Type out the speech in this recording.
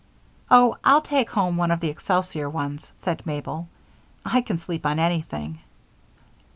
"Oh, I'll take home one of the excelsior ones," said Mabel. "I can sleep on anything."